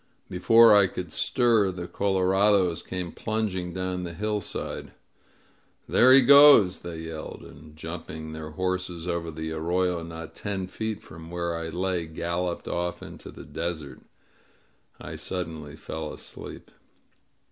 Before I could stir the colorados came plunging down the hillside. ^'There he goes!" they yelled, and, jumping their horses over the arroyo not ten feet from where I lay, galloped off into the desert. I suddenly fell asleep.